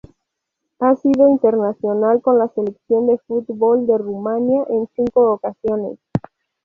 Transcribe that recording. Ha sido internacional con la selección de fútbol de Rumania en cinco ocasiones.